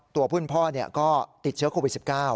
ตัวผู้เป็นพ่อก็ติดเชื้อโควิด๑๙